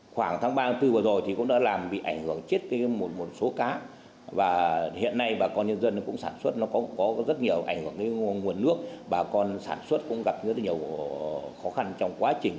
khoảng tháng ba bốn vừa rồi thì cũng đã làm bị ảnh hưởng chết một số cá và hiện nay bà con nhân dân cũng sản xuất nó cũng có rất nhiều ảnh hưởng đến nguồn nước bà con sản xuất cũng gặp rất nhiều khó khăn trong quá trình